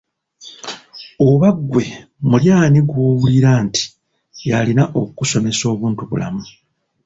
Oba ggwe muli ani gwowulira nti yalina okukusomesa obuntu bulamu?